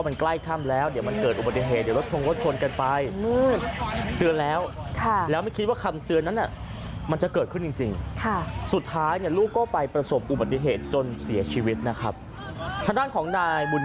เพราะว่ามันใกล้ค่ำแล้วมันจะเกิดอุบัติเหตุเดี๋ยวรถชงรถชนกันไป